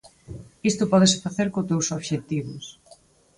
Isto pódese facer con dous obxectivos.